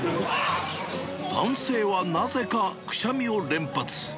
男性はなぜかくしゃみを連発。